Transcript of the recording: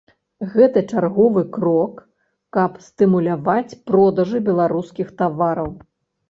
Гэта чарговы крок, каб стымуляваць продажы беларускіх тавараў.